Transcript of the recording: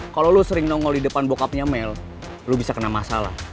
kalau lo sering nongol di depan bockupnya mel lo bisa kena masalah